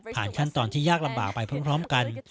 ขั้นตอนที่ยากลำบากไปพร้อมกัน